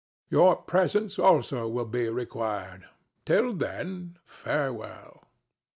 Your presence also will be required. Till then, farewell."